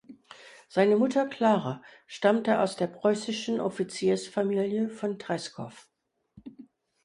Seine Mutter Klara stammte aus der preußischen Offiziersfamilie von Treskow.